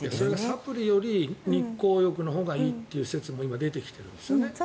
サプリより日光浴のほうがいいという説も今、出てきているんですよね。